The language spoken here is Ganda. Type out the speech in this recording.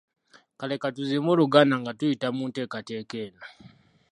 Kale ka tuzimbe Oluganda nga tuyita mu nteekateeka eno.